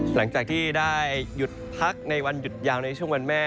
หลังจากที่ได้หยุดพักในวันหยุดยาวในช่วงวันแม่